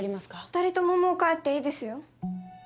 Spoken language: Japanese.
２人とももう帰っていいですよ。